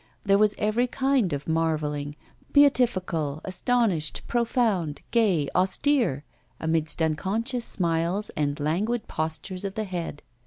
There was every kind of marvelling, beatifical, astonished, profound, gay, austere, amidst unconscious smiles and languid postures of the head.